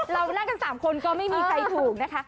เรานั่งกัน๓คนก็ไม่มีใครถูกนะคะ